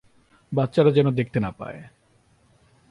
বাচ্চারা যেন দেখতে না পায়।